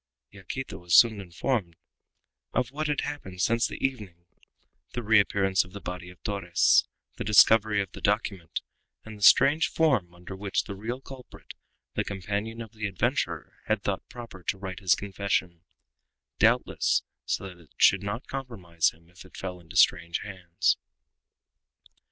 Yaquita was soon informed of what had happened since the evening the reappearance of the body of Torres, the discovery of the document, and the strange form under which the real culprit, the companion of the adventurer, had thought proper to write his confession doubtless, so that it should not compromise him if it fell into strange hands.